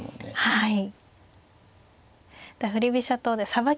はい。